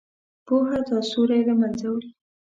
پوهه دا سیوری له منځه وړي.